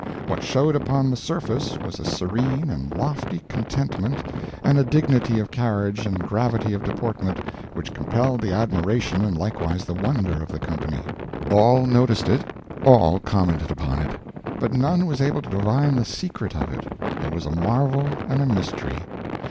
What showed upon the surface was a serene and lofty contentment and a dignity of carriage and gravity of deportment which compelled the admiration and likewise the wonder of the company. All noticed it and all commented upon it, but none was able to divine the secret of it. It was a marvel and a mystery.